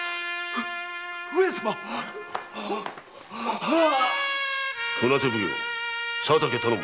う上様⁉船手奉行・佐竹頼母。